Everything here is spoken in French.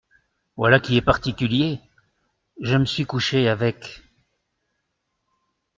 Voilà qui est particulier !… je me suis couché avec…